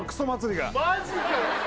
マジかよ